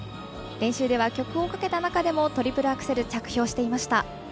練習では曲をかけた中でもトリプルアクセル着氷していました。